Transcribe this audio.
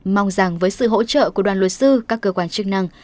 mong rằng với sự hỗ trợ của đoàn luật sư các cơ quan chức năng